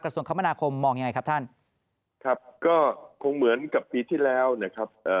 กระทรวงคมนาคมมองอย่างไรครับท่านครับก็คงเหมือนกับปีที่แล้วนะครับ